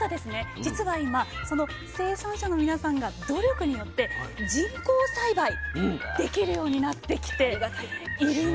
実は今その生産者の皆さんが努力によって人工栽培できるようになってきているんですね。